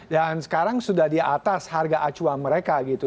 dan sekarang sudah di atas harga acua mereka gitu